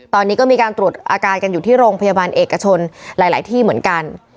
ตอนนี้ก็มีการตรวจอาการกันอยู่ที่โรงพยาบาลเอกชนหลายที่เหมือนกัน